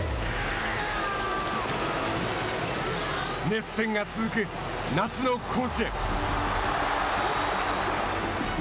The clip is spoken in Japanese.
熱戦が続く、夏の甲子園。